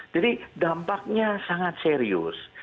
jadi dampaknya sangat serius